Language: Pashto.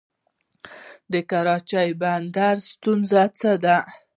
د کراچۍ بندر ستونزې څه دي؟